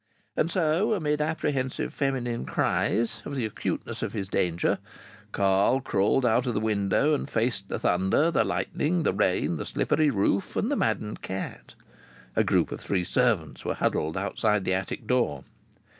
And so, amid apprehensive feminine cries of the acuteness of his danger, Carl crawled out of the window and faced the thunder, the lightning, the rain, the slippery roof, and the maddened cat. A group of three servants were huddled outside the attic door.